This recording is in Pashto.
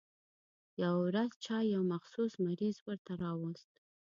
يوه ورځ چا يو مخصوص مریض ورته راوست.